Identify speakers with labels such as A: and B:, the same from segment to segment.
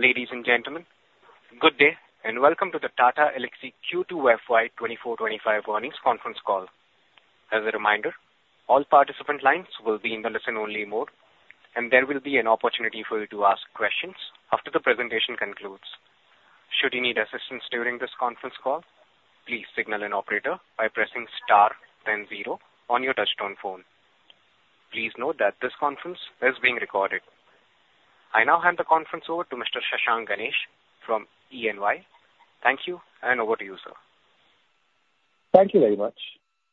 A: Ladies and gentlemen, good day, and welcome to the Tata Elxsi Q2 FY 2024-2025 Earnings Conference Call. As a reminder, all participant lines will be in the listen-only mode, and there will be an opportunity for you to ask questions after the presentation concludes. Should you need assistance during this conference call, please signal an operator by pressing star then zero on your touchtone phone. Please note that this conference is being recorded. I now hand the conference over to Mr. Shashank Ganesh from EY. Thank you, and over to you, sir.
B: Thank you very much.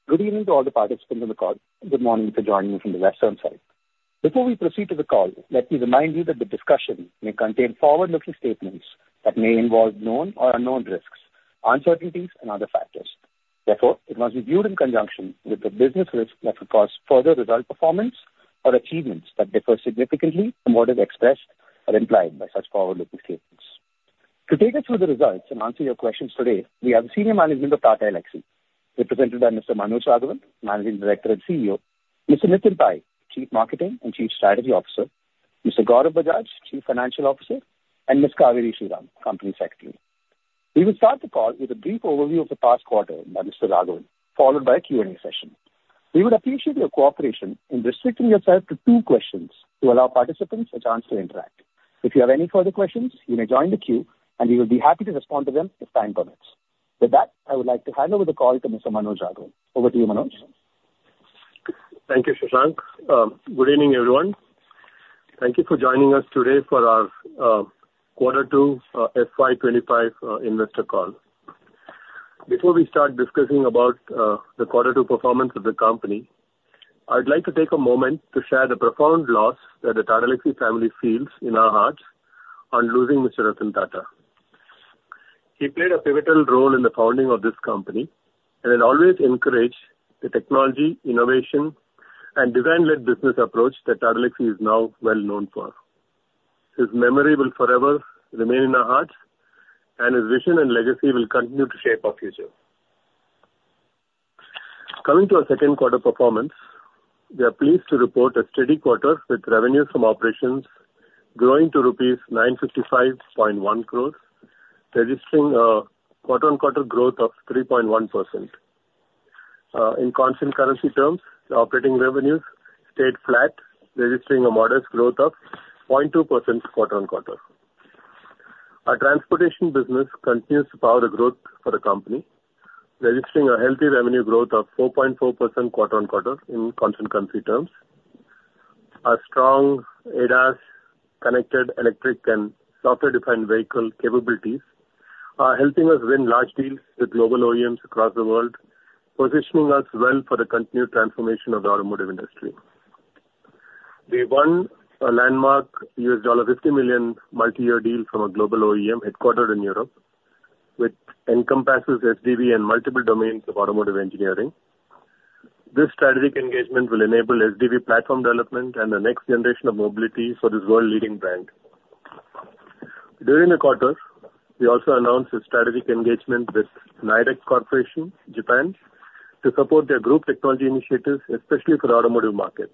B: Good evening to all the participants on the call. Good morning for joining me from the western side. Before we proceed to the call, let me remind you that the discussion may contain forward-looking statements that may involve known or unknown risks, uncertainties, and other factors. Therefore, it must be viewed in conjunction with the business risk that could cause further result performance or achievements that differ significantly from what is expressed or implied by such forward-looking statements. To take us through the results and answer your questions today, we have the senior management of Tata Elxsi, represented by Mr. Manoj Raghavan, Managing Director and CEO, Mr. Nitin Pai, Chief Marketing and Chief Strategy Officer, Mr. Gaurav Bajaj, Chief Financial Officer, and Ms. Cauveri Sriram, Company Secretary. We will start the call with a brief overview of the past quarter by Mr. Raghavan, followed by a Q&A session. We would appreciate your cooperation in restricting yourself to two questions to allow participants a chance to interact. If you have any further questions, you may join the queue, and we will be happy to respond to them if time permits. With that, I would like to hand over the call to Mr. Manoj Raghavan. Over to you, Manoj.
C: Thank you, Shashank. Good evening, everyone. Thank you for joining us today for our Quarter Two FY 2025 Investor Call. Before we start discussing about the quarter two performance of the company, I'd like to take a moment to share the profound loss that the Tata Elxsi family feels in our hearts on losing Mr. Ratan Tata. He played a pivotal role in the founding of this company and had always encouraged the technology, innovation, and design-led business approach that Tata Elxsi is now well known for. His memory will forever remain in our hearts, and his vision and legacy will continue to shape our future. Coming to our second quarter performance, we are pleased to report a steady quarter, with revenues from operations growing to rupees 955.1 crores, registering a quarter-on-quarter growth of 3.1%. In constant currency terms, the operating revenues stayed flat, registering a modest growth of 0.2% quarter-on-quarter. Our transportation business continues to power the growth for the company, registering a healthy revenue growth of 4.4% quarter-on-quarter in constant currency terms. Our strong ADAS, connected, electric, and software-defined vehicle capabilities are helping us win large deals with global OEMs across the world, positioning us well for the continued transformation of the automotive industry. We won a landmark $50 million multi-year deal from a global OEM headquartered in Europe, which encompasses SDV and multiple domains of automotive engineering. This strategic engagement will enable SDV platform development and the next generation of mobility for this world-leading brand. During the quarter, we also announced a strategic engagement with Nidec Corporation, Japan, to support their group technology initiatives, especially for automotive market.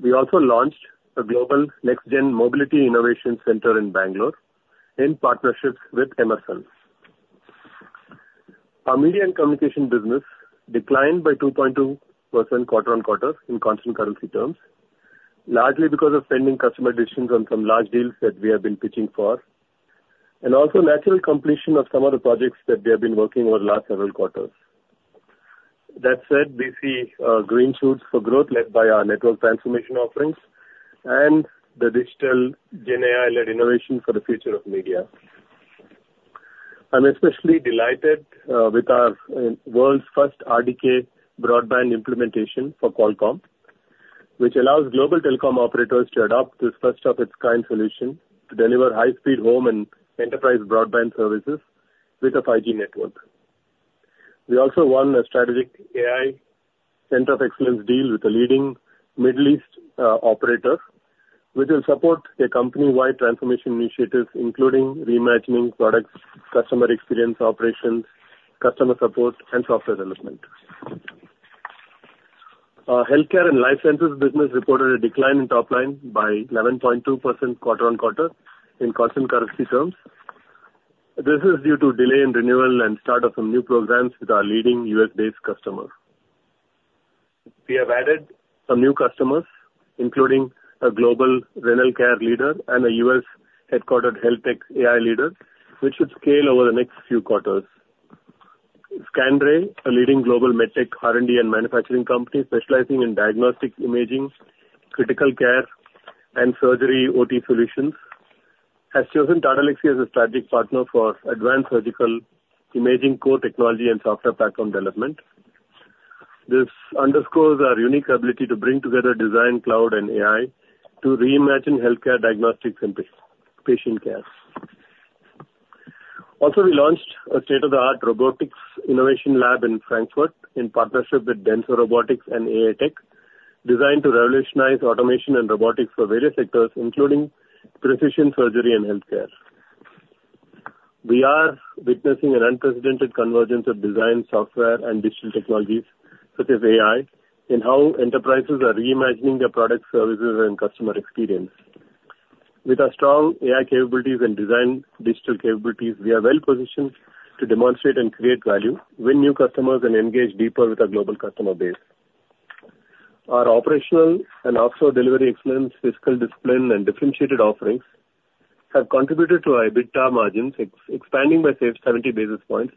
C: We also launched a global next-gen mobility innovation center in Bangalore in partnerships with MSIL. Our media and communication business declined by 2.2% quarter-on-quarter in constant currency terms, largely because of pending customer decisions on some large deals that we have been pitching for. And also natural completion of some of the projects that we have been working over the last several quarters. That said, we see green shoots for growth led by our network transformation offerings and the digital GenAI-led innovation for the future of media. I'm especially delighted with our world's first RDK Broadband implementation for Qualcomm, which allows global telecom operators to adopt this first-of-its-kind solution to deliver high-speed home and enterprise broadband services with a 5G network. We also won a strategic AI center of excellence deal with a leading Middle East operator, which will support a company-wide transformation initiatives, including reimagining products, customer experience, operations, customer support, and software development. Our healthcare and life sciences business reported a decline in top line by 11.2% quarter-on-quarter in constant currency terms. This is due to delay in renewal and start of some new programs with our leading U.S.-based customer. We have added some new customers, including a global renal care leader and a U.S.-headquartered health tech AI leader, which should scale over the next few quarters. Skanray, a leading global med tech R&D and manufacturing company specializing in diagnostic imaging, critical care, and surgery OT solutions, has chosen Tata Elxsi as a strategic partner for advanced surgical imaging, core technology, and software platform development. This underscores our unique ability to bring together design, cloud, and AI to reimagine healthcare diagnostics and patient care. Also, we launched a state-of-the-art robotics innovation lab in Frankfurt in partnership with Denso Robotics and AAtek, designed to revolutionize automation and robotics for various sectors, including precision surgery and healthcare. We are witnessing an unprecedented convergence of design software and digital technologies, such as AI, in how enterprises are reimagining their products, services, and customer experience. With our strong AI capabilities and design digital capabilities, we are well positioned to demonstrate and create value, win new customers, and engage deeper with our global customer base. Our operational and also delivery excellence, fiscal discipline, and differentiated offerings have contributed to our EBITDA margins expanding by 70 basis points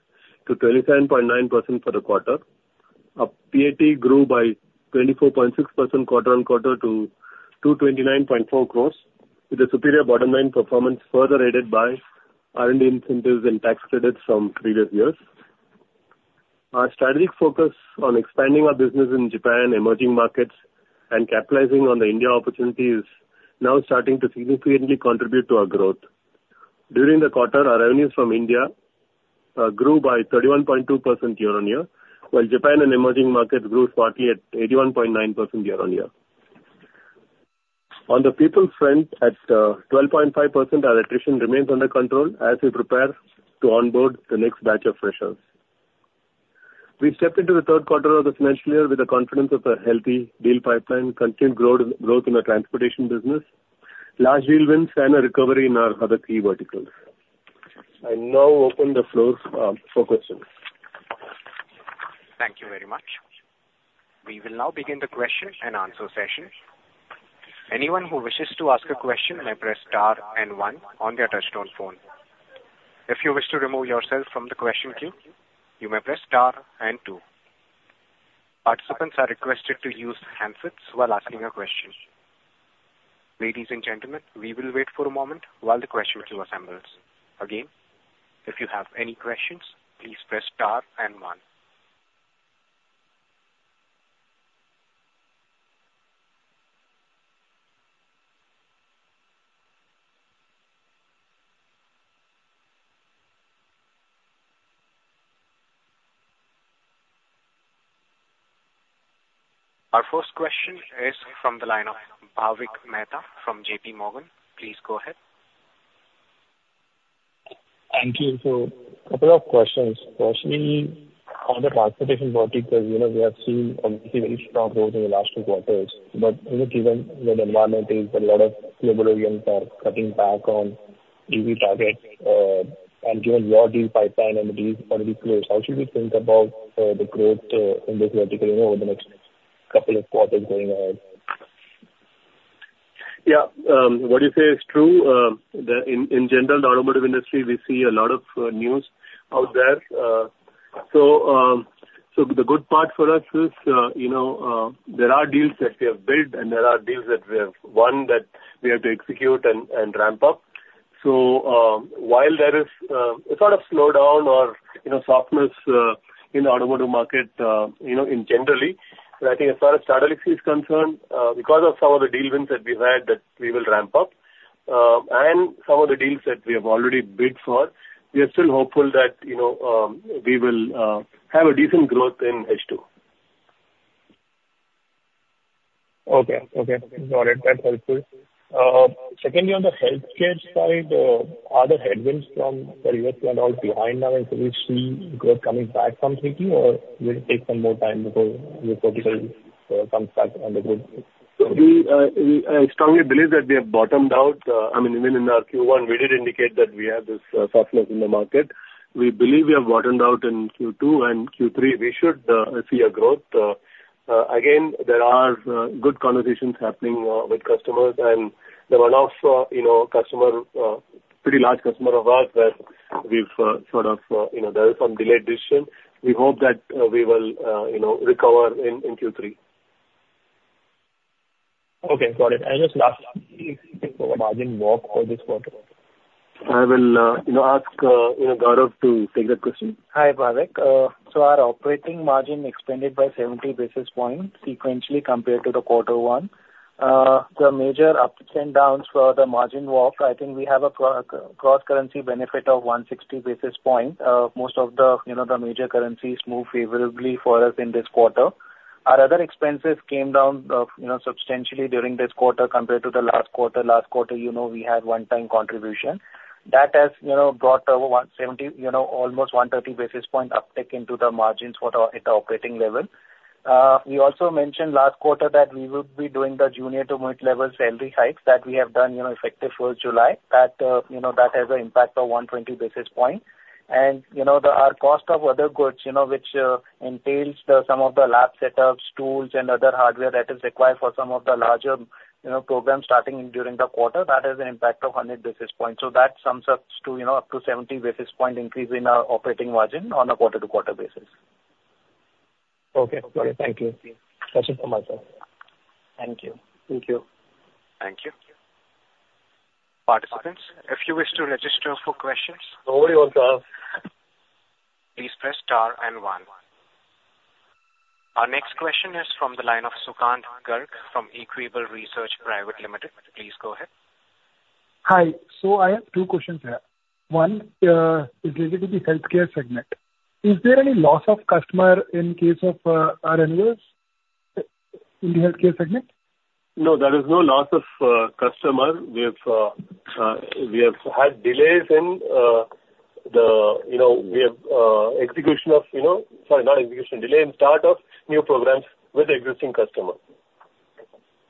C: to 27.9% for the quarter. Our PAT grew by 24.6% quarter-on-quarter to 229.4 crores, with the superior bottom line performance further aided by earned incentives and tax credits from previous years. Our strategic focus on expanding our business in Japan, emerging markets, and capitalizing on the India opportunity is now starting to significantly contribute to our growth. During the quarter, our revenues from India grew by 31.2% year-on-year, while Japan and emerging markets grew strongly at 81.9% year-on-year. On the people front, at 12.5%, our attrition remains under control as we prepare to onboard the next batch of freshers. We've stepped into the third quarter of this financial year with the confidence of a healthy deal pipeline, continued growth, growth in the transportation business, large deal wins, and a recovery in our other key verticals. I now open the floor for questions.
A: Thank you very much. We will now begin the question-and-answer session. Anyone who wishes to ask a question may press star and one on their touchtone phone. If you wish to remove yourself from the question queue, you may press star and two. Participants are requested to use handsets while asking a question. Ladies and gentlemen, we will wait for a moment while the question queue assembles. Again, if you have any questions, please press star and one. Our first question is from the line of Bhavik Mehta from JPMorgan. Please go ahead.
D: Thank you. So a couple of questions. Firstly, on the transportation vertical, you know, we have seen obviously very strong growth in the last two quarters, but, you know, given the environment is a lot of global OEMs are cutting back on EV targets, and given your deal pipeline and the deals already closed, how should we think about, the growth, in this vertical, you know, over the next couple of quarters going ahead?
C: Yeah. What you say is true. In general, the automotive industry, we see a lot of news out there. So the good part for us is, you know, there are deals that we have built, and there are deals that we have won, that we have to execute and ramp up. So while there is a sort of slowdown or, you know, softness in the automotive market, you know, in general, I think as far as Tata Elxsi is concerned, because of some of the deal wins that we've had, that we will ramp up, and some of the deals that we have already bid for, we are still hopeful that, you know, we will have a decent growth in H2.
D: Okay. Okay, got it. That's helpful. Secondly, on the healthcare side, are the headwinds from the U.S. and all behind now, and should we see growth coming back from Q2, or will it take some more time before the quarter comes back on the board?
C: We strongly believe that we have bottomed out. I mean, even in our Q1, we did indicate that we have this softness in the market. We believe we have bottomed out in Q2, and Q3 we should see a growth. Again, there are good conversations happening with customers, and there are also, you know, customer, pretty large customer of ours, where we've sort of, you know, there is some delayed decision. We hope that we will, you know, recover in Q3.
D: Okay, got it. And just last, do you think of a margin walk for this quarter?
C: I will, you know, ask, you know, Gaurav to take that question.
E: Hi, Bhavik. So our operating margin expanded by 70 basis points sequentially compared to quarter one. The major ups and downs for the margin walk, I think we have a cross-currency benefit of 160 basis points. Most of the, you know, the major currencies moved favorably for us in this quarter. Our other expenses came down, you know, substantially during this quarter compared to the last quarter. Last quarter, you know, we had one-time contribution. That has, you know, brought over 170 basis point, you know, almost 130 basis points uptick into the margins for our, at the operating level. We also mentioned last quarter that we will be doing the junior to mid-level salary hikes that we have done, you know, effective for July. That, you know, that has an impact of 120 basis points. You know, our cost of other goods, you know, which entails some of the lab setups, tools, and other hardware that is required for some of the larger, you know, programs starting during the quarter, that has an impact of 100 basis points. So that sums up to, you know, up to 70 basis point increase in our operating margin on a quarter-to-quarter basis.
D: Okay. All right. Thank you. That's it from my side.
E: Thank you.
C: Thank you.
A: Thank you. Participants, if you wish to register for questions-
C: Sorry about that.
A: Please press star and one. Our next question is from the line of Sukkant Garg from Equible Research Pvt Ltd. Please go ahead.
F: Hi. So I have two questions here. One is related to the healthcare segment. Is there any loss of customer in case of our renewals? In the healthcare segment?
C: No, there is no loss of customer. We have had delays in the, you know, execution of, you know. Sorry, not execution, delay in start of new programs with existing customers.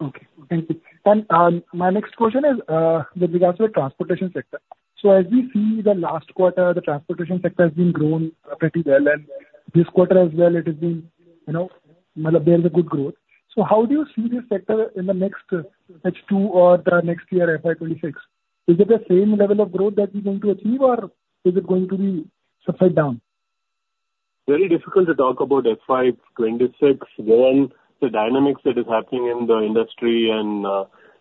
F: Okay. Thank you. Then, my next question is, with regards to the transportation sector. So as we see the last quarter, the transportation sector has been growing pretty well, and this quarter as well, it has been, you know, there is a good growth. So how do you see this sector in the next H2 or the next year, FY 2026? Is it the same level of growth that you're going to achieve, or is it going to be upside down?
C: Very difficult to talk about FY 2026, the dynamics that is happening in the industry and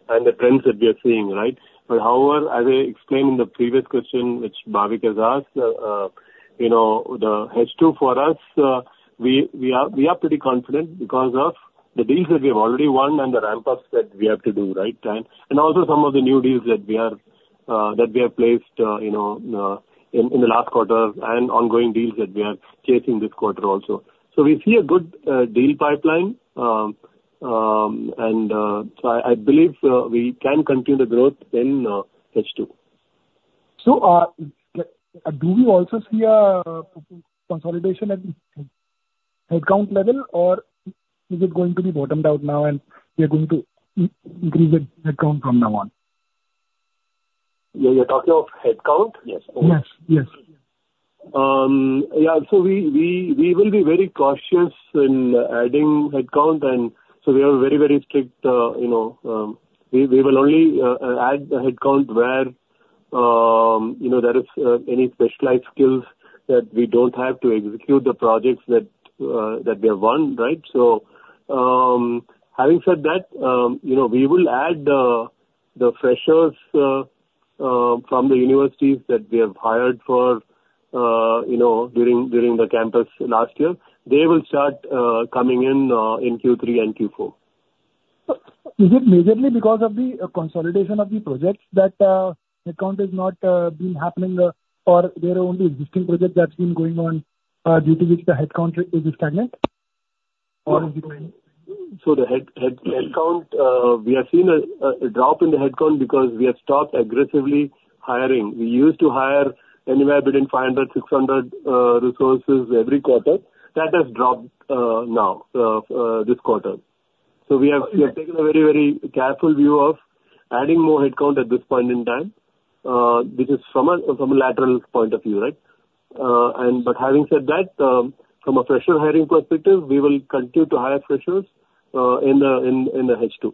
C: the trends that we are seeing, right? But however, as I explained in the previous question, which Bhavik has asked, you know, the H2 for us, we are pretty confident because of the deals that we have already won and the ramp-ups that we have to do, right? And also some of the new deals that we have placed, you know, in the last quarter and ongoing deals that we are chasing this quarter also. So we see a good deal pipeline. And so I believe we can continue the growth in H2.
F: So, do we also see a consolidation at headcount level, or is it going to be bottomed out now and we are going to increase the headcount from now on?
C: You're talking of headcount?
F: Yes. Yes, yes.
C: Yeah. So we will be very cautious in adding headcount, and so we are very, very strict, you know, we will only add headcount where, you know, there is any specialized skills that we don't have to execute the projects that we have won, right? So, having said that, you know, we will add the freshers from the universities that we have hired for, you know, during the campus last year. They will start coming in in Q3 and Q4.
F: Is it majorly because of the consolidation of the projects that headcount has not been happening, or there are only existing projects that's been going on, due to which the headcount is stagnant?
C: So the headcount, we have seen a drop in the headcount because we have stopped aggressively hiring. We used to hire anywhere between 500-600 resources every quarter. That has dropped now, this quarter. So we have taken a very, very careful view of adding more headcount at this point in time, which is from a lateral point of view, right? And but having said that, from a fresher hiring perspective, we will continue to hire freshers in the H2.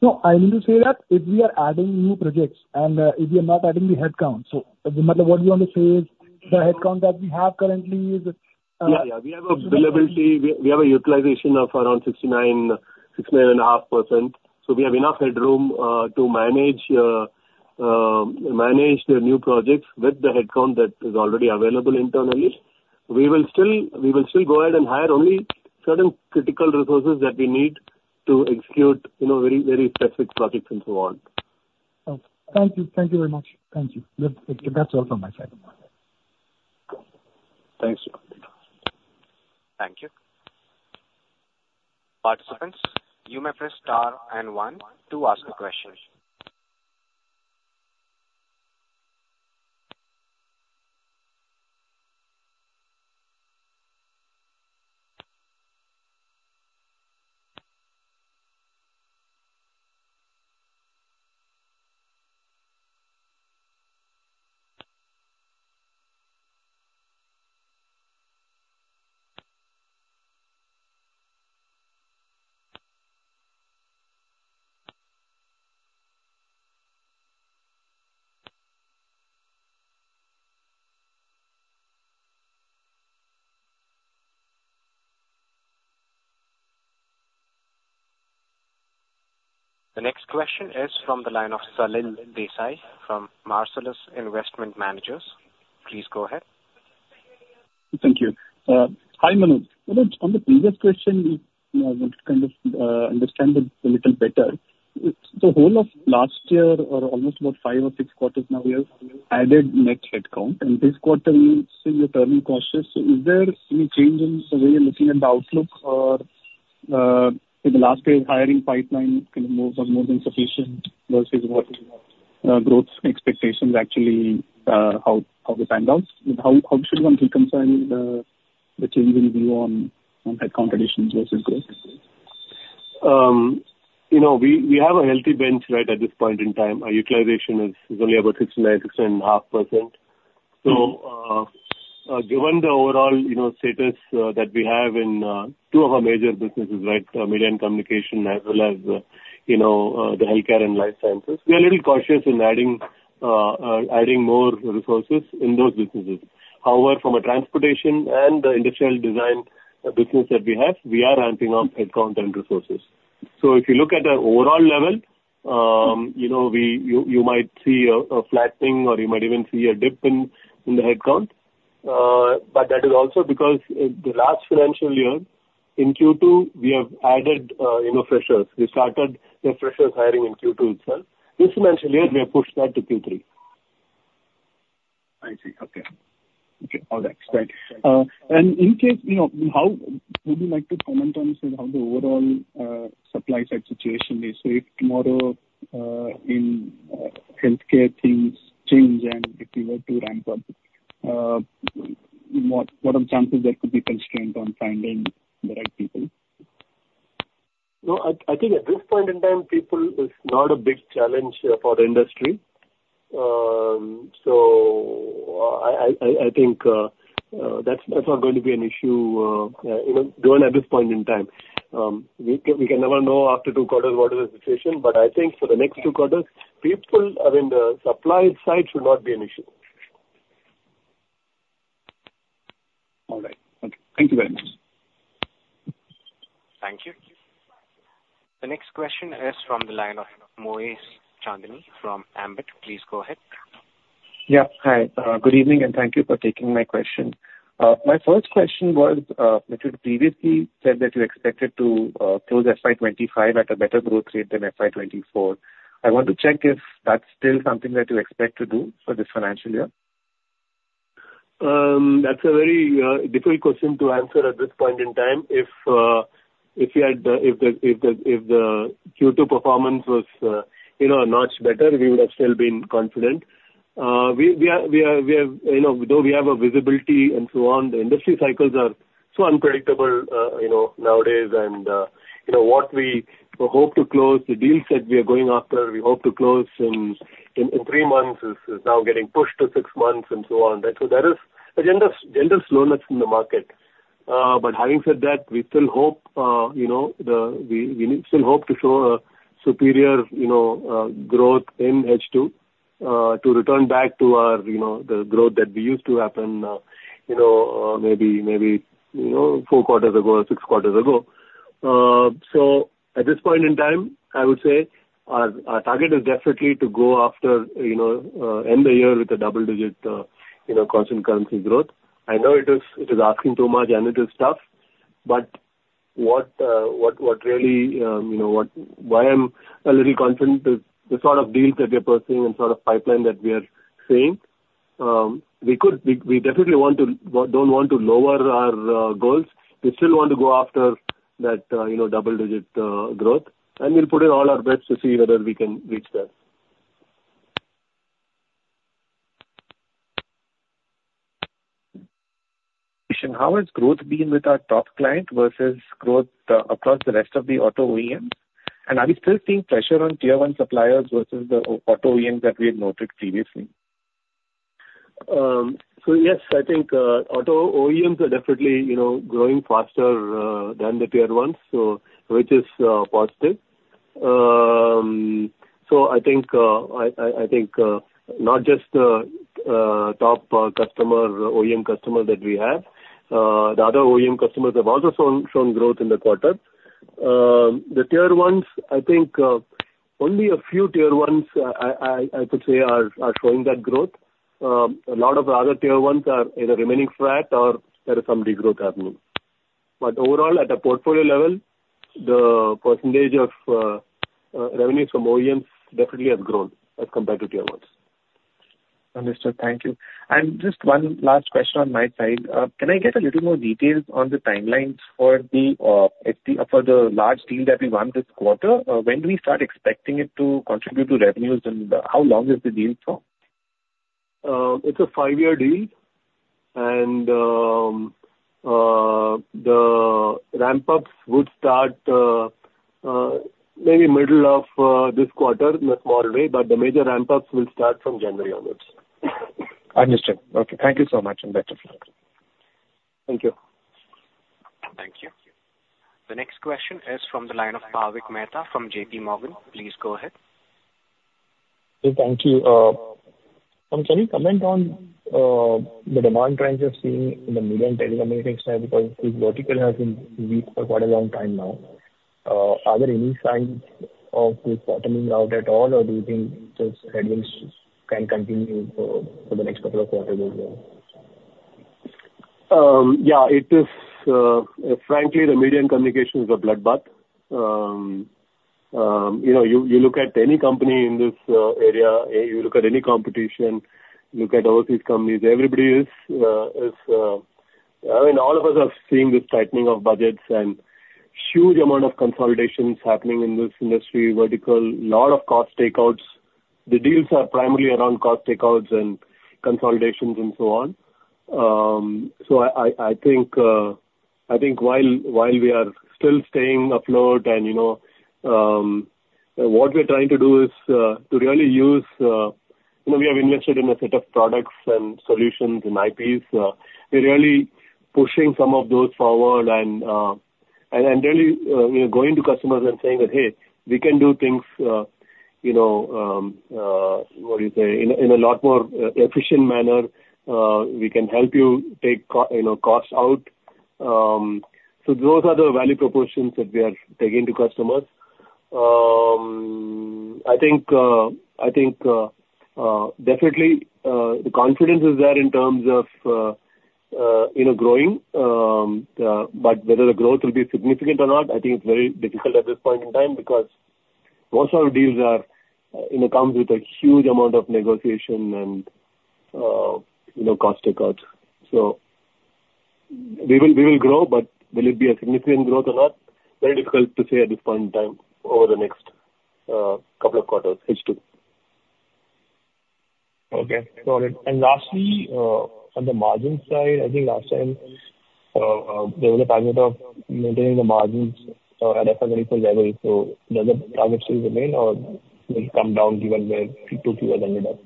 F: No, I mean to say that if we are adding new projects and, if we are not adding the headcount, so what you want to say is the headcount that we have currently is.
C: Yeah, yeah. We have availability. We have a utilization of around 69%-69.5%. So we have enough headroom to manage the new projects with the headcount that is already available internally. We will still go ahead and hire only certain critical resources that we need to execute, you know, very specific projects and so on.
F: Thank you. Thank you very much. Thank you. That's all from my side.
C: Thanks.
A: Thank you. Participants, you may press star and one to ask a question. The next question is from the line of Salil Desai from Marcellus Investment Managers. Please go ahead.
G: Thank you. Hi, Manoj. On the previous question, I want to kind of understand a little better. The whole of last year, or almost about five or six quarters now, we have added net headcount, and this quarter you seem to be turning cautious. So is there any change in the way you're looking at the outlook or in the last year, hiring pipeline was more than sufficient versus what growth expectations actually how the time goes? How should one reconcile the change in view on headcount versus growth?
C: You know, we have a healthy bench right at this point in time. Our utilization is only about 69.5%. So, given the overall, you know, status that we have in two of our major businesses, right, media and communication, as well as, you know, the healthcare and life sciences, we are a little cautious in adding more resources in those businesses. However, from a transportation and the industrial design business that we have, we are ramping up headcount and resources. So if you look at the overall level, you know, you might see a flattening or you might even see a dip in the headcount. But that is also because the last financial year, in Q2, we have added, you know, freshers. We started the freshers hiring in Q2 itself. This financial year, we have pushed that to Q3.
G: I see. Okay. Okay, all right. And in case, you know, how would you like to comment on, say, how the overall supply side situation is? So if tomorrow, in healthcare things change and if you were to ramp up, what are the chances there could be constraint on finding the right people?
C: No, I think at this point in time, people is not a big challenge for the industry, so I think that's not going to be an issue, you know, going at this point in time. We can never know after two quarters what is the situation, but I think for the next two quarters, people are in the supply side should not be an issue.
G: All right. Okay, thank you very much.
A: Thank you. The next question is from the line of Moez Chandani from Ambit. Please go ahead.
H: Yeah, hi. Good evening, and thank you for taking my question. My first question was, that you previously said that you expected to close FY 2025 at a better growth rate than FY 2024. I want to check if that's still something that you expect to do for this financial year?
C: That's a very difficult question to answer at this point in time. If the Q2 performance was, you know, a notch better, we would have still been confident. We have, you know, though we have a visibility and so on, the industry cycles are so unpredictable, you know, nowadays. And, you know, what we hope to close, the deals that we are going after, we hope to close in three months is now getting pushed to six months and so on. And so there is a general slowness in the market. But having said that, we still hope, you know, to show a superior, you know, growth in H2 to return back to our, you know, the growth that we used to happen, you know, maybe four quarters ago or six quarters ago. So at this point in time, I would say our target is definitely to go after, you know, end the year with a double digit, you know, constant currency growth. I know it is asking too much and it is tough, but what really, you know, why I'm a little confident is the sort of deals that we are pursuing and sort of pipeline that we are seeing. We could, we definitely want to, don't want to lower our goals. We still want to go after that, you know, double-digit growth, and we'll put in all our best to see whether we can reach that.
H: How has growth been with our top client versus growth across the rest of the auto OEMs? And are we still seeing pressure on tier one suppliers versus the auto OEMs that we had noted previously?
C: So yes, I think auto OEMs are definitely, you know, growing faster than the Tier 1s, so which is positive. So I think not just the top customer, OEM customer that we have, the other OEM customers have also shown growth in the quarter. The Tier 1s, I think only a few Tier 1s I could say are showing that growth. A lot of the other Tier 1s are either remaining flat or there is some degrowth happening. But overall, at a portfolio level, the percentage of revenues from OEMs definitely has grown as compared to Tier 1s.
H: Understood. Thank you. And just one last question on my side. Can I get a little more details on the timelines for the large deal that we won this quarter? When do we start expecting it to contribute to revenues, and, how long is the deal for?
C: It's a five-year deal, and the ramp-ups would start maybe middle of this quarter, not tomorrow, but the major ramp-ups will start from January onwards.
H: Understood. Okay, thank you so much, and back to you.
C: Thank you.
A: Thank you. The next question is from the line of Bhavik Mehta from JPMorgan. Please go ahead.
D: Yeah, thank you. Can you comment on the demand trends you're seeing in the Media and Communications, because this vertical has been weak for quite a long time now? Are there any signs of this bottoming out at all, or do you think these headwinds can continue for the next couple of quarters as well?
C: Yeah, it is, frankly, the media communications is a bloodbath. You know, you look at any company in this area, you look at any competition, you look at overseas companies, everybody is. I mean, all of us have seen this tightening of budgets and huge amount of consolidations happening in this industry, vertical, lot of cost takeouts. The deals are primarily around cost takeouts and consolidations and so on. So I think while we are still staying afloat and, you know, what we're trying to do is to really use, you know, we have invested in a set of products and solutions and IPs. We're really pushing some of those forward and really we are going to customers and saying that, "Hey, we can do things, you know, what do you say? In a lot more efficient manner, we can help you take you know, costs out." So those are the value propositions that we are taking to customers. I think definitely the confidence is there in terms of you know growing. But whether the growth will be significant or not, I think it's very difficult at this point in time, because most of our deals are you know comes with a huge amount of negotiation and you know cost takeout. So we will grow, but will it be a significant growth or not? Very difficult to say at this point in time over the next couple of quarters, H2.
D: Okay, got it. And lastly, on the margin side, I think last time, there was a target of maintaining the margins at a very equal level. So does the target still remain or will it come down given the Q2 revenue down?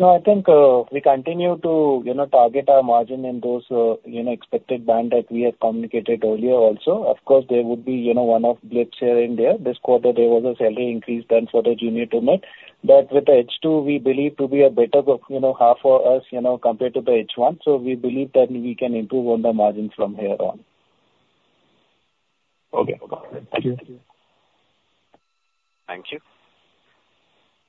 C: No, I think, we continue to, you know, target our margin in those, you know, expected band that we have communicated earlier also. Of course, there would be, you know, one-off blips here and there. This quarter there was a salary increase done for the junior team, but with the H2, we believe to be a better go, you know, half for us, you know, compared to the H1. So we believe that we can improve on the margins from here on.
D: Okay. Thank you.
A: Thank you.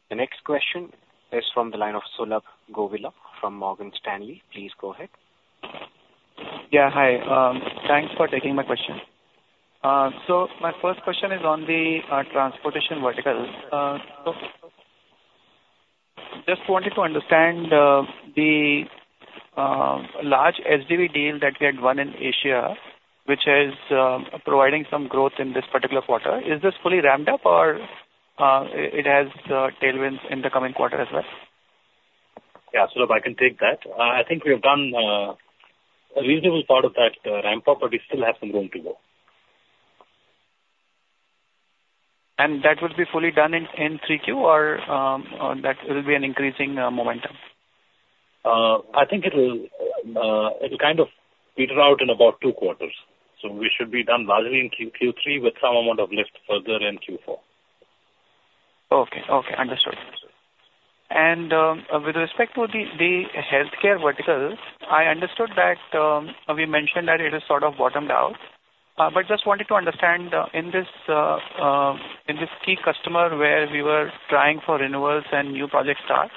A: The next question is from the line of Sulabh Govila from Morgan Stanley. Please go ahead.
I: Yeah, hi. Thanks for taking my question. So my first question is on the transportation vertical. Just wanted to understand the large SDV deal that we had won in Asia, which is providing some growth in this particular quarter. Is this fully ramped up or it has tailwinds in the coming quarter as well?
J: Yeah, Sulabh, I can take that. I think we have done a reasonable part of that ramp up, but we still have some room to go.
I: And that would be fully done in 3Q or that will be an increasing momentum?
J: I think it'll kind of peter out in about two quarters. So we should be done largely in Q3 with some amount of lift further in Q4.
I: Okay. Okay, understood. And with respect to the healthcare vertical, I understood that we mentioned that it is sort of bottomed out, but just wanted to understand in this key customer where we were trying for renewals and new project starts,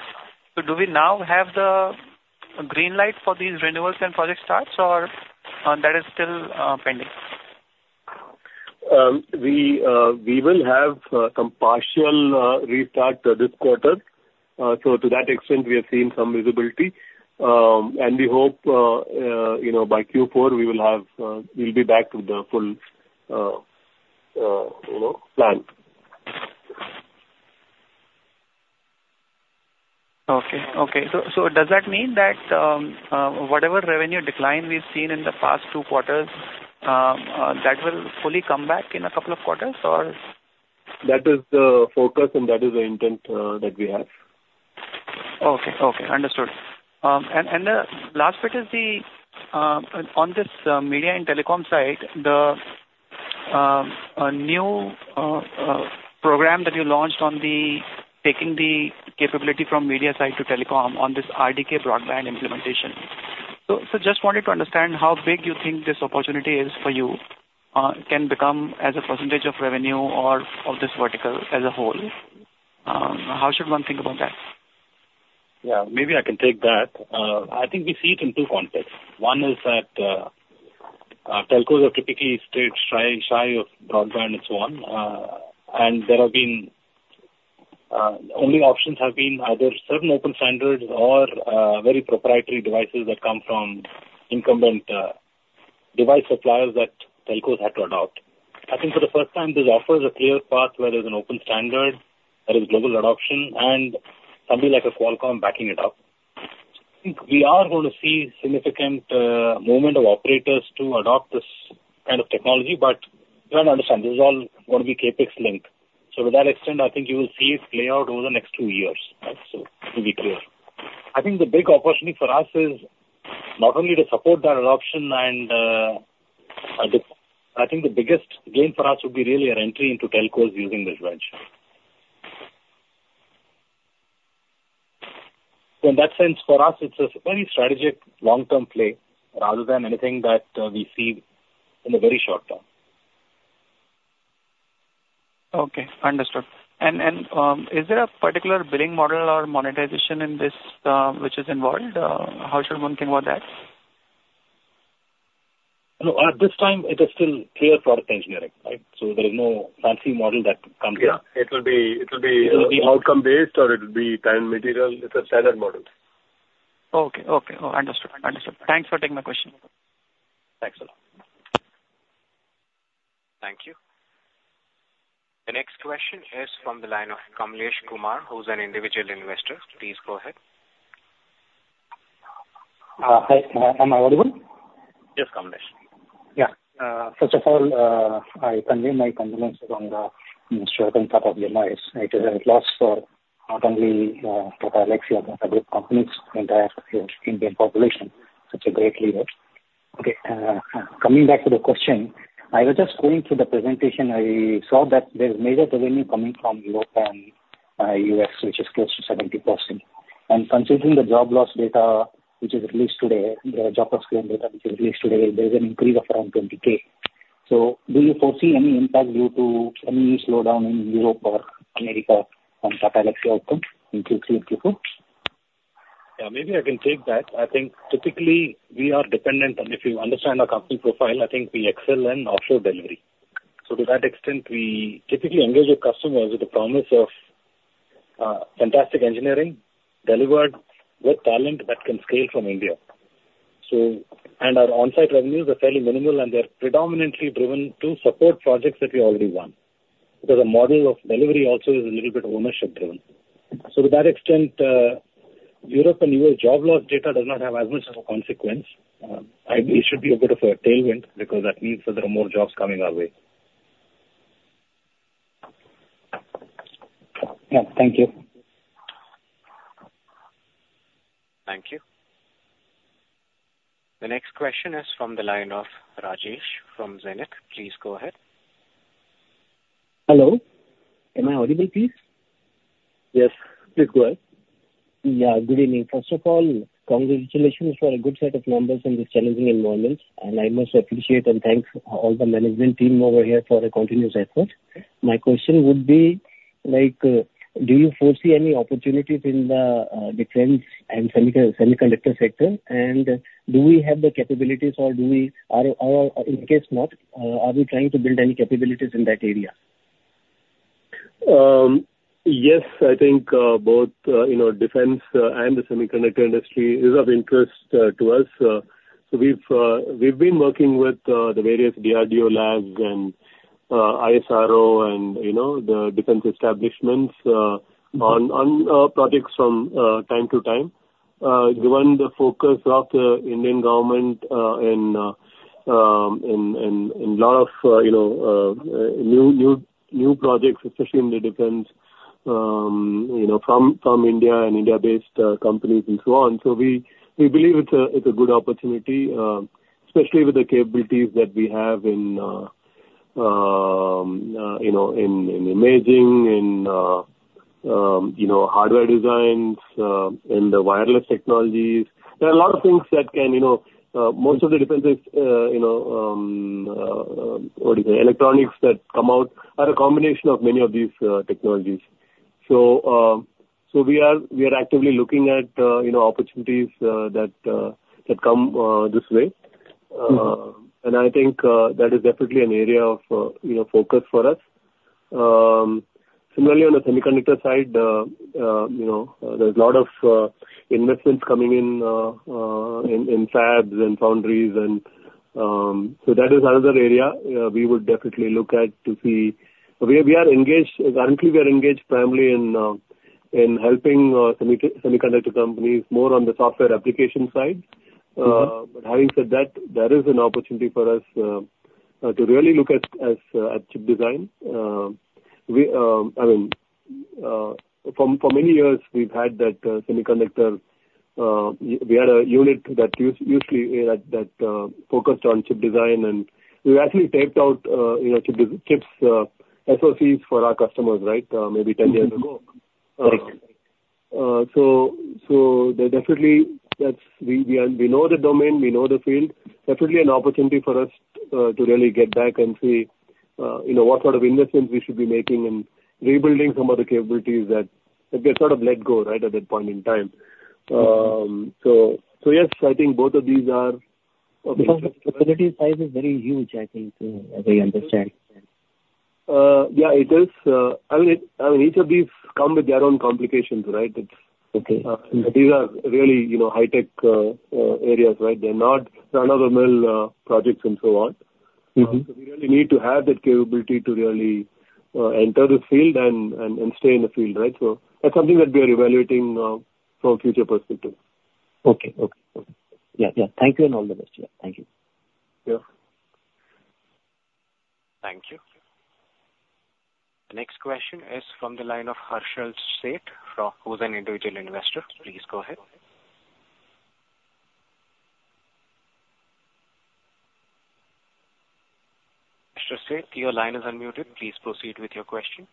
I: so do we now have the green light for these renewals and project starts, or that is still pending?
C: We will have some partial restart this quarter. So to that extent, we have seen some visibility, and we hope, you know, by Q4 we will have, we'll be back with the full, you know, plan.
I: Okay. So, does that mean that, whatever revenue decline we've seen in the past two quarters, that will fully come back in a couple of quarters?
C: That is the focus and that is the intent, that we have.
I: Okay. Okay, understood. And the last bit is the on this media and telecom side, the a new program that you launched on the taking the capability from media side to telecom on this RDK Broadband implementation. So just wanted to understand how big you think this opportunity is for you can become as a percentage of revenue or of this vertical as a whole? How should one think about that?
J: Yeah, maybe I can take that. I think we see it in two contexts. One is that telcos are typically stayed shy of broadband and so on, and there have been only options have been either certain open standards or very proprietary devices that come from incumbent device suppliers that telcos had to adopt. I think for the first time, this offers a clear path where there's an open standard, there is global adoption, and somebody like a Qualcomm backing it up. I think we are going to see significant movement of operators to adopt this kind of technology, but you have to understand, this is all going to be CapEx linked. So to that extent, I think you will see it play out over the next two years. So to be clear, I think the big opportunity for us is not only to support that adoption and, I think the biggest gain for us would be really our entry into telcos using this venture. So in that sense, for us, it's a very strategic long-term play rather than anything that, we see in the very short term.
I: Okay, understood, and is there a particular billing model or monetization in this, which is involved? How should one think about that?
J: No, at this time, it is still clear product engineering, right? So there is no fancy model that comes in.
C: Yeah, it will be outcome based, or it will be time and material. It's a standard model.
I: Okay. Understood. Thanks for taking my question.
J: Thanks a lot.
A: Thank you. The next question is from the line of Kamlesh Kumar, who's an individual investor. Please go ahead. Hi. Am I audible? Yes, Kamlesh. Yeah. First of all, I convey my condolences on the sudden death of Ratan Tata. It is a loss for not only Tata Elxsi, but the group companies, the entire Indian population. Such a great leader. Okay, coming back to the question, I was just going through the presentation. I saw that there's major revenue coming from Europe and U.S., which is close to 70%. And considering the job loss data which is released today, the job loss claim data, which is released today, there is an increase of around 20,000. So do you foresee any impact due to any slowdown in Europe or America on Tata Elxsi outcome in Q3 and Q4?
J: Yeah, maybe I can take that. I think typically we are dependent on, if you understand our company profile, I think we excel in offshore delivery. So to that extent, we typically engage with customers with the promise of fantastic engineering delivered with talent that can scale from India. And our on-site revenues are fairly minimal, and they're predominantly driven to support projects that we already won. Because the model of delivery also is a little bit ownership-driven. So to that extent, Europe and U.S. job loss data does not have as much of a consequence. It should be a bit of a tailwind, because that means that there are more jobs coming our way. Yeah, thank you.
A: Thank you. The next question is from the line of Rajesh from Zenith. Please go ahead.
K: Hello, am I audible, please?
C: Yes, please go ahead.
K: Yeah, good evening. First of all, congratulations for a good set of numbers in this challenging environment, and I must appreciate and thank all the management team over here for the continuous effort. My question would be, like, do you foresee any opportunities in the defense and semiconductor sector? And do we have the capabilities or in case not, are we trying to build any capabilities in that area?
C: Yes, I think both you know defense and the semiconductor industry is of interest to us. So we've been working with the various DRDO labs and ISRO and you know the defense establishments on projects from time to time. Given the focus of the Indian government in a lot of you know new projects, especially in the defense you know from India and India-based companies and so on. So we believe it's a good opportunity especially with the capabilities that we have in you know in imaging in you know hardware designs in the wireless technologies. There are a lot of things that can, you know, most of the devices, what do you say? Electronics that come out are a combination of many of these technologies. So we are actively looking at, you know, opportunities that come this way. And I think that is definitely an area of, you know, focus for us. Similarly on the semiconductor side, you know, there's a lot of investments coming in in fabs and foundries and so that is another area we would definitely look at to see. We are currently engaged primarily in helping semiconductor companies more on the software application side.
K: Mm-hmm.
C: But having said that, that is an opportunity for us to really look at as at chip design. I mean, for many years, we've had that semiconductor. We had a unit that usually focused on chip design, and we actually tapped out, you know, chips, SoCs for our customers, right? Maybe ten years ago.
K: Right.
C: That definitely, we know the domain, we know the field. Definitely an opportunity for us to really get back and see you know what sort of investments we should be making, and rebuilding some of the capabilities that got sort of let go right at that point in time. Yes, I think both of these are okay.
K: But the size is very huge, I think, so as I understand.
C: Yeah, it is. I mean, each of these come with their own complications, right?
K: Okay.
C: These are really, you know, high-tech areas, right? They're not run-of-the-mill projects and so on.
K: Mm-hmm.
C: So we really need to have that capability to really enter the field and stay in the field, right? So that's something that we are evaluating from a future perspective.
K: Okay. Yeah. Thank you, and all the best. Yeah, thank you.
C: Yeah.
A: Thank you. The next question is from the line of Harshal Sheth, who is an individual investor. Please go ahead. Mr. Sheth, your line is unmuted. Please proceed with your question.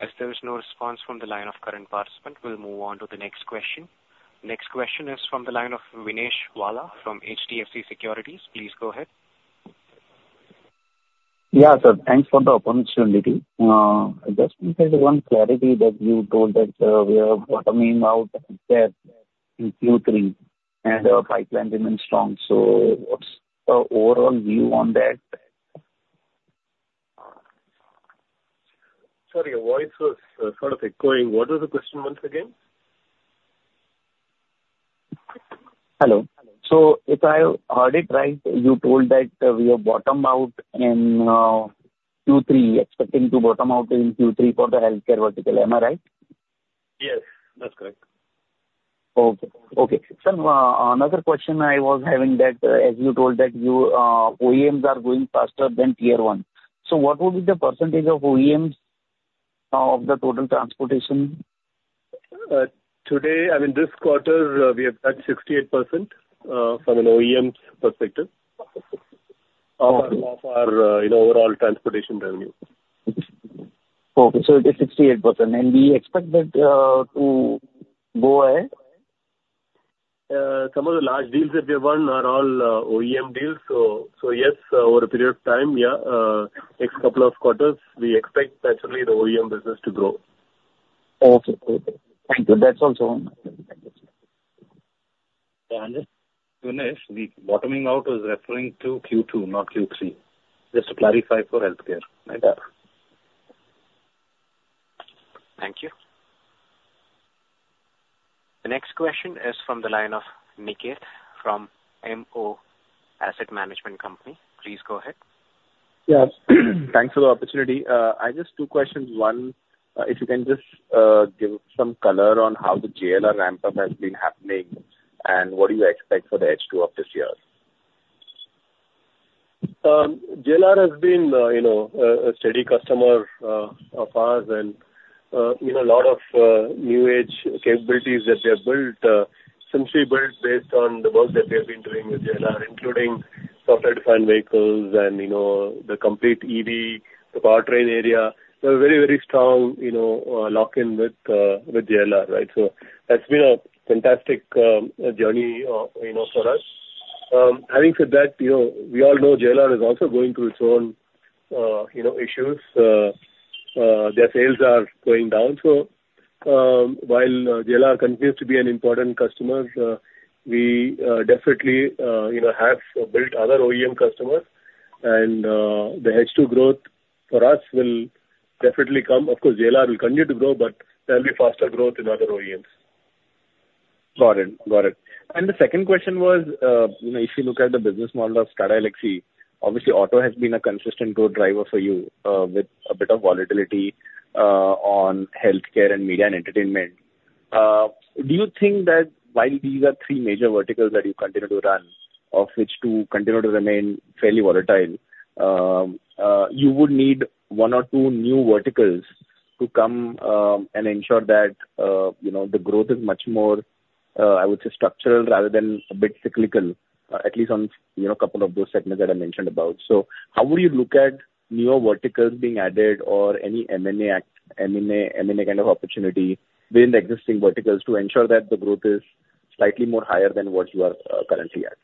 A: As there is no response from the line of current participant, we'll move on to the next question. Next question is from the line of Vinesh Vala from HDFC Securities. Please go ahead.
L: Yeah, sir. Thanks for the opportunity. Just one clarity that you told us, we are bottoming out in Q3, and our pipeline remains strong. So what's the overall view on that?
C: Sorry, your voice was sort of echoing. What was the question once again?
L: Hello. So if I heard it right, you told that we are bottomed out in Q3, expecting to bottom out in Q3 for the healthcare vertical. Am I right?
C: Yes, that's correct.
L: Okay, okay. So, another question I was having that, as you told that you, OEMs are growing faster than tier one. So what would be the percentage of OEMs of the total transportation?
C: Today, I mean, this quarter, we are at 68%, from an OEM perspective of our you know overall transportation revenue.
L: Okay, so it is 68%. And we expect that to go ahead?
C: Some of the large deals that we have won are all OEM deals. So, yes, over a period of time, yeah, next couple of quarters, we expect especially the OEM business to grow.
L: Okay, great. Thank you. That's all on me.
J: And just, Vinesh, the bottoming out was referring to Q2, not Q3. Just to clarify for healthcare, right?
A: Thank you. The next question is from the line of Niket from MO Asset Management Company. Please go ahead.
M: Yes. Thanks for the opportunity. I just two questions. One, if you can just, give some color on how the JLR ramp-up has been happening, and what do you expect for the H2 of this year?
C: JLR has been, you know, a steady customer of ours. And, you know, a lot of new age capabilities that they have built simply built based on the work that we have been doing with JLR, including software-defined vehicles and, you know, the complete EV, the powertrain area. So a very, very strong, you know, lock-in with JLR, right? So that's been a fantastic journey, you know, for us. Having said that, you know, we all know JLR is also going through its own, you know, issues. Their sales are going down. So, while JLR continues to be an important customer, we definitely, you know, have built other OEM customers. And, the H2 growth for us will definitely come. Of course, JLR will continue to grow, but there'll be faster growth in other OEMs.
M: Got it. Got it. And the second question was, you know, if you look at the business model of Tata Elxsi, obviously, auto has been a consistent growth driver for you, with a bit of volatility, on healthcare and media and entertainment. Do you think that while these are three major verticals that you continue to run, of which two continue to remain fairly volatile, you would need one or two new verticals to come, and ensure that, you know, the growth is much more, I would say structural rather than a bit cyclical, at least on, you know, a couple of those segments that I mentioned about. How would you look at newer verticals being added or any M&A activity kind of opportunity within the existing verticals to ensure that the growth is slightly more higher than what you are currently at?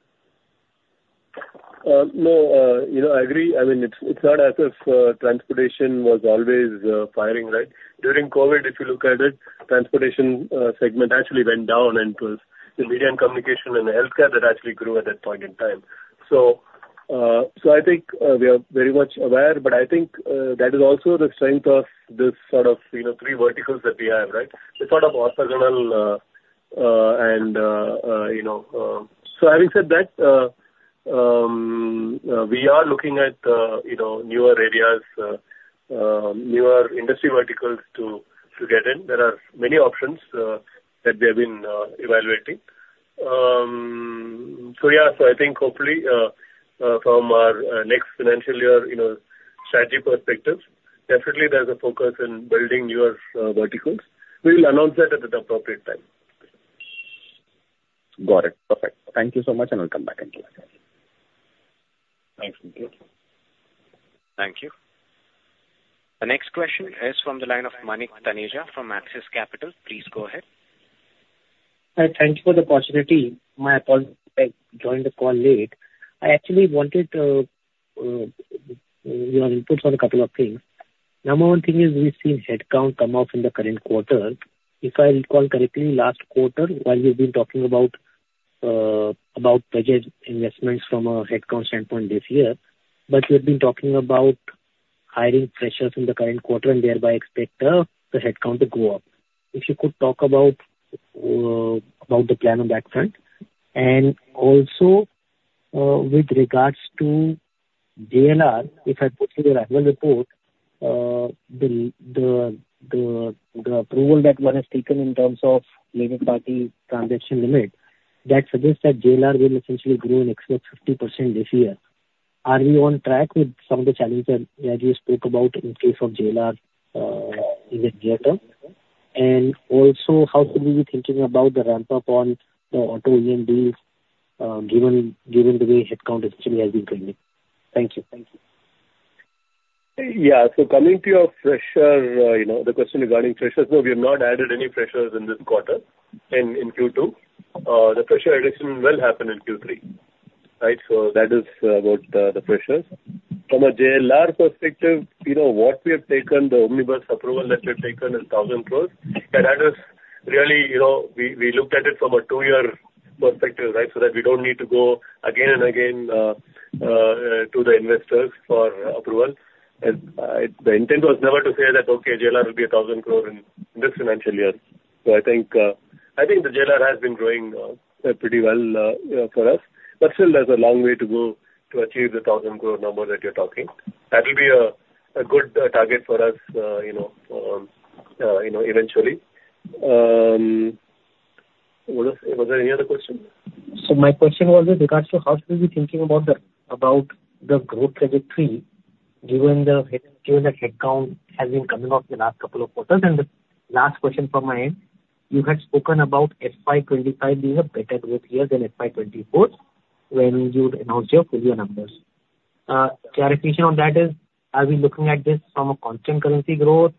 C: No, you know, I agree. I mean, it's not as if transportation was always firing, right? During COVID, if you look at it, transportation segment actually went down, and it was the media and communication and the healthcare that actually grew at that point in time. So, I think we are very much aware, but I think that is also the strength of this sort of, you know, three verticals that we have, right? The sort of orthogonal and, you know, having said that, we are looking at, you know, newer areas, newer industry verticals to get in. There are many options that we have been evaluating. So yeah, so I think hopefully, from our next financial year, you know, strategy perspective, definitely there's a focus in building newer verticals. We will announce that at the appropriate time.
M: Got it. Perfect. Thank you so much, and I'll come back and in queue.
C: Thanks.
A: Thank you. The next question is from the line of Manik Taneja from Axis Capital. Please go ahead.
N: Thank you for the opportunity. My apologies, I joined the call late. I actually wanted your inputs on a couple of things. Number one thing is we've seen headcount come off in the current quarter. If I recall correctly, last quarter, while you've been talking about budget investments from a headcount standpoint this year, but you've been talking about hiring freshers in the current quarter and thereby expect the headcount to go up. If you could talk about the plan on that front. And also, with regards to JLR, if I go through the annual report, the approval that one has taken in terms of labor party transaction limit, that suggests that JLR will essentially grow in excess of 50% this year. Are we on track with some of the challenges that you spoke about in case of JLR in the near term? And also, how should we be thinking about the ramp-up on the auto OEM deals, given the way headcount essentially has been coming? Thank you.
C: Yeah. So coming to your fresher, you know, the question regarding freshers, no, we have not added any freshers in this quarter, in Q2. The fresher addition will happen in Q3, right? So that is about the freshers. From a JLR perspective, you know, what we have taken, the omnibus approval that we've taken is 1,000 crores. And that is really, you know, we looked at it from a two-year perspective, right? So that we don't need to go again and again to the investors for approval. And the intent was never to say that, "Okay, JLR will be a 1,000 crore in this financial year." So I think the JLR has been growing pretty well for us, but still there's a long way to go to achieve the 1,000 crore number that you're talking. That will be a good target for us, you know, eventually. Was there any other question?
N: So my question was with regards to how should we be thinking about the growth trajectory, given the headcount has been coming off the last couple of quarters? And the last question from my end, you had spoken about FY 2025 being a better growth year than FY 2024, when you had announced your full-year numbers. Clarification on that is, are we looking at this from a constant currency growth,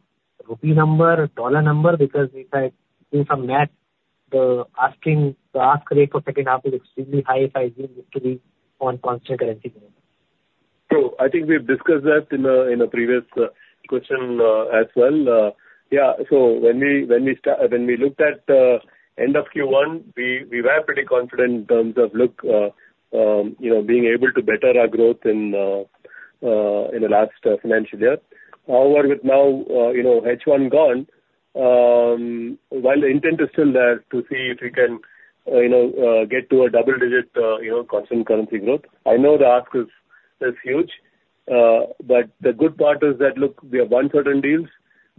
N: rupee number, dollar number? Because if I do some math, the asking, the ask rate for second half is extremely high if I seem to be on constant currency growth.
C: So I think we've discussed that in a previous question as well. Yeah, so when we looked at the end of Q1, we were pretty confident in terms of you know, being able to better our growth in the last financial year. However, with now, you know, H1 gone, while the intent is still there to see if we can, you know, get to a double-digit, you know, constant currency growth, I know the ask is huge. But the good part is that, we have won certain deals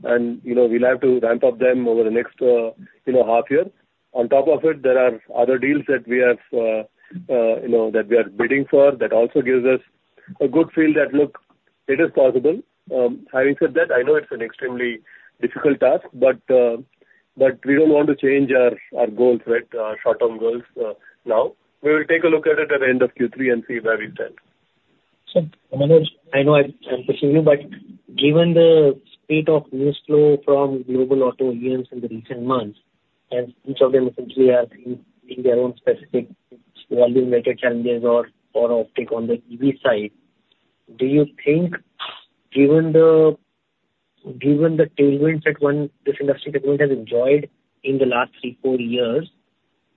C: and, you know, we'll have to ramp up them over the next, you know, half year. On top of it, there are other deals that we have, you know, that we are bidding for. That also gives us a good feel that, look, it is possible. Having said that, I know it's an extremely difficult task, but we don't want to change our goals, right? Our short-term goals, now. We will take a look at it at the end of Q3 and see where we stand.
N: Manoj, I know I'm pushing you, but given the state of news flow from global auto OEMs in the recent months, and each of them essentially is in their own specific volume-related challenges or optics on the EV side, do you think given the tailwinds that this industry segment has enjoyed in the last three, four years,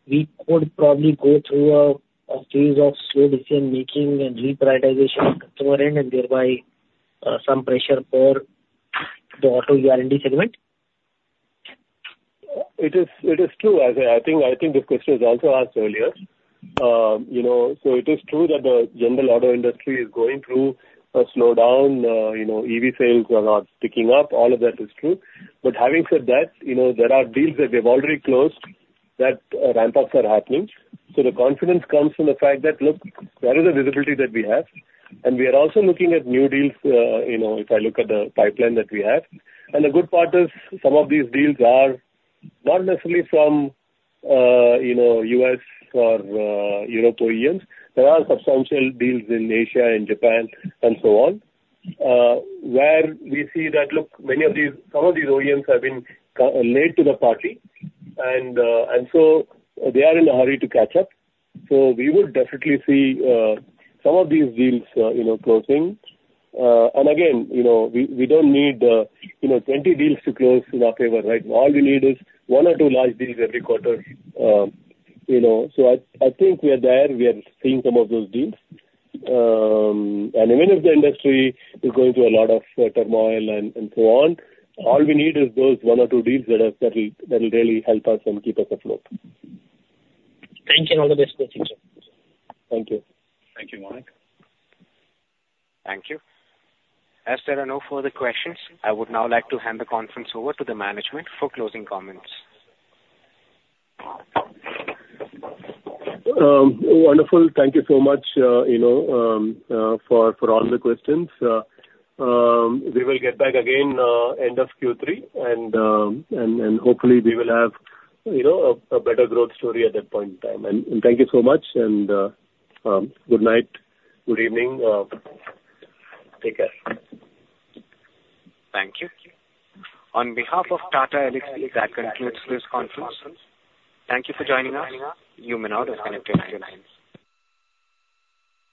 N: we could probably go through a phase of slow decision-making and reprioritization at customer end and thereby some pressure for the auto vertical segment?
C: It is, it is true. I say, I think, I think this question was also asked earlier. You know, so it is true that the general auto industry is going through a slowdown. You know, EV sales are not picking up. All of that is true. But having said that, you know, there are deals that we have already closed that, ramp-ups are happening. So the confidence comes from the fact that, look, there is a visibility that we have, and we are also looking at new deals, you know, if I look at the pipeline that we have. And the good part is some of these deals are not necessarily from, you know, U.S. or, Europe OEMs. There are substantial deals in Asia and Japan and so on, where we see that, look, many of these, some of these OEMs have been late to the party, and so they are in a hurry to catch up. So we would definitely see some of these deals, you know, closing. And again, you know, we don't need, you know, 20 deals to close in our favor, right? All we need is one or two large deals every quarter, you know. So I think we are there. We are seeing some of those deals. And even if the industry is going through a lot of turmoil and so on, all we need is those one or two deals that will really help us and keep us afloat.
N: Thank you, and all the best for future.
C: Thank you.
A: Thank you, Manik. Thank you. As there are no further questions, I would now like to hand the conference over to the management for closing comments.
C: Wonderful. Thank you so much, you know, for all the questions. We will get back again end of Q3, and hopefully we will have, you know, a better growth story at that point in time. Thank you so much, and good night, good evening. Take care.
A: Thank you. On behalf of Tata Elxsi, that concludes today's conference. Thank you for joining us. You may now disconnect your lines.